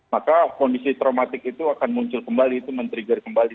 maka kondisi traumatik itu akan muncul kembali itu men trigger kembali